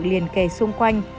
liên kề xung quanh